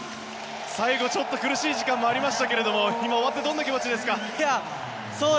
最後、ちょっと苦しい時間もありましたけれども今、終わってどんな気持ちですか。